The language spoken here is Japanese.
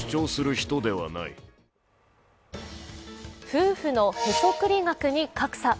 夫婦のへそくり額に格差。